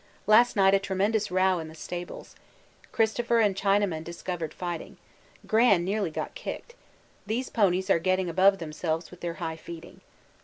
Last night tremendous row in the stables. Christopher and Chinaman discovered fighting. Gran nearly got kicked. These ponies are getting above themselves with their high feeding.